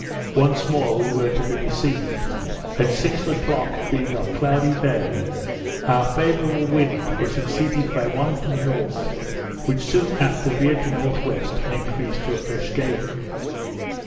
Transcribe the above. Once more we were to be deceived; at six o'clock, being off Cloudy Bay, our favourable wind was succeeded by one from the north, which soon after veered to N.W., and increased to a fresh gale.